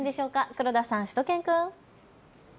黒田さん、しゅと犬くん。